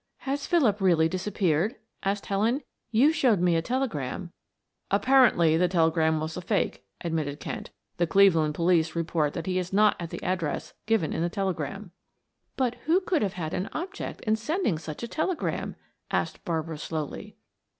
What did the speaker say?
"Has Philip really disappeared?" asked Helen. "You showed me a telegram " "Apparently the telegram was a fake," admitted Kent. "The Cleveland police report that he is not at the address given in the telegram." "But who could have an object in sending such a telegram?" asked Barbara slowly.